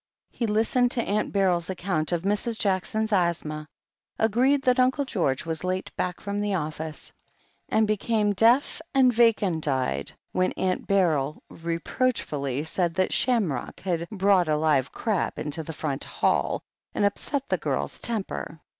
He listened to Aunt Beryl's account of Mrs. Jack son's asthma, agreed that Uncle George was late back from the office, and became deaf and vacant eyed when Aunt Beryl reproachfully said that Shamrock had brought a live crab into the front hall, and upset the girl's temper.